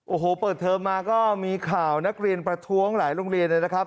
โอ้โหเปิดเทอมมาก็มีข่าวนักเรียนประท้วงหลายโรงเรียนเลยนะครับ